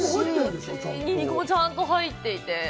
ニンニクもちゃんと入っていて。